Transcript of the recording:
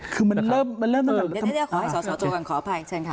เมื่อเริ่มเปิดการทำงานเดี๋ยวก่อนเต่าขอให้สวัสดิ์ตัวกันขออภัยช่างครว่า